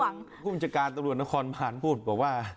ผู้บัญชาการตำรวจนครบานพูดบอกว่า